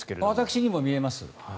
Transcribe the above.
私にも見えます。